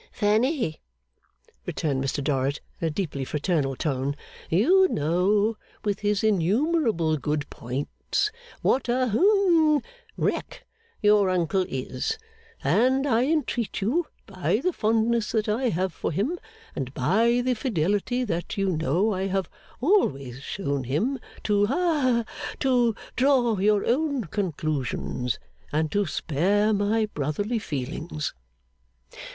'Fanny,' returned Mr Dorrit in a deeply fraternal tone, 'you know, with his innumerable good points, what a hum wreck your uncle is; and, I entreat you by the fondness that I have for him, and by the fidelity that you know I have always shown him, to ha to draw your own conclusions, and to spare my brotherly feelings.